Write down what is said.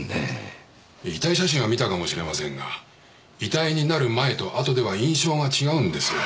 遺体写真は見たかもしれませんが遺体になる前と後では印象が違うんですよ。